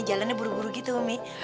jalannya buru buru gitu omik